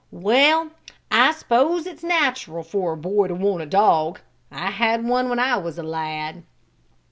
Well, I s'pose it's natural for a boy to want a dog. I had one when I was a lad."